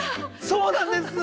そうなんです。